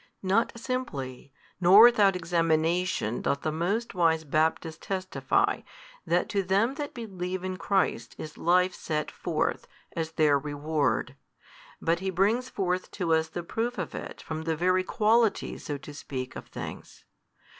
Not simply, nor without examination doth the most wise Baptist testify that to them that believe in Christ is life set forth, as their Reward, but he brings forth to us the proof of it from the very quality so to speak of things.